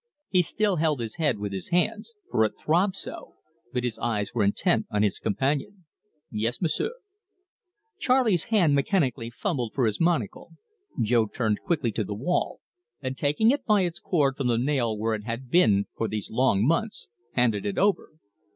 He still held his head with his hands, for it throbbed so, but his eyes were intent on his companion. "Yes, M'sieu'." Charley's hand mechanically fumbled for his monocle. Jo turned quickly to the wall, and taking it by its cord from the nail where it had been for these long months, handed it over.